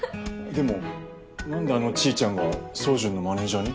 でもなんであのちーちゃんが宗純のマネージャーに？